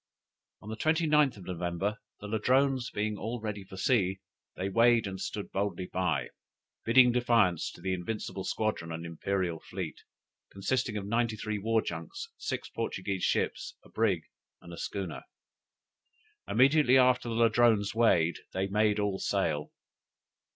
"On the 29th of November, the Ladrones being all ready for sea, they weighed and stood boldly out, bidding defiance to the invincible squadron and imperial fleet, consisting of ninety three war junks, six Portuguese ships, a brig, and a schooner. Immediately after the Ladrones weighed, they made all sail.